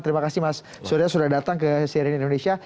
terima kasih mas surya sudah datang ke cnn indonesia